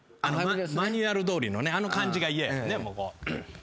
マニュアルどおりのねあの感じが嫌や。